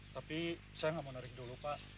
tapi saya gak mau nerik dulu pak